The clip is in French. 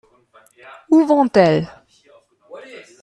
Où vont-elles ?